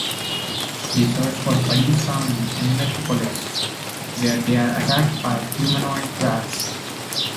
They search for Buddy's family in Metropolis, where they are attacked by humanoid rats.